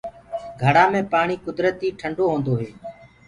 گھڙآ مي پآڻي ڪُدرتي ٺنڊو هوندو هي۔